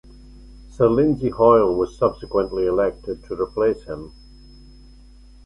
Sir Lindsay Hoyle was subsequently elected to replace him.